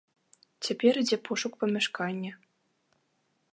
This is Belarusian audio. Цяпер ідзе пошук памяшкання.